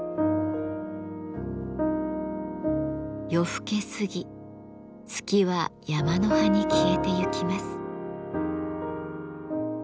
夜更け過ぎ月は山の端に消えてゆきます。